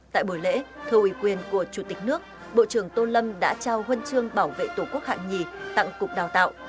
tại buổi lễ thu ủy quyền của chủ tịch nước bộ trưởng tô lâm đã trao huân chương bảo vệ tổ quốc hạng nhì tặng cục đào tạo